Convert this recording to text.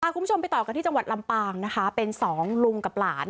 คุณผู้ชมไปต่อกันที่จังหวัดลำปางนะคะเป็นสองลุงกับหลาน